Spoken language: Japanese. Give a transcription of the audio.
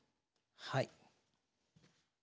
はい。